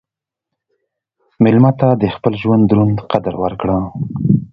مېلمه ته د خپل ژوند دروند قدر ورکړه.